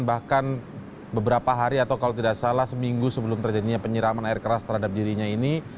bahkan beberapa hari atau kalau tidak salah seminggu sebelum terjadinya penyiraman air keras terhadap dirinya ini